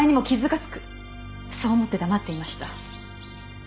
そう思って黙っていました。